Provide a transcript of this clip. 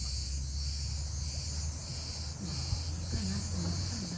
もういいかなって思ったんだ。